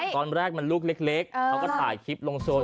ตอนแรกมันลูกเล็กเขาก็ถ่ายคลิปลงโซน